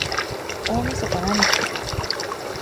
大晦日なにしてた？